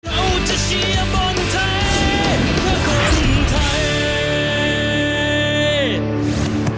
เราจะเชียร์บนไทย